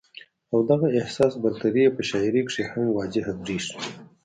او دغه احساس برتري ئې پۀ شاعرۍ کښې هم واضحه برېښي